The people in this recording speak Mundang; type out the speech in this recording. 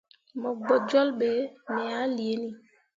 Mo gbo jolle be me ah liini.